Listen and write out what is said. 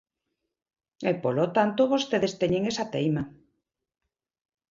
E, polo tanto, vostedes teñen esa teima.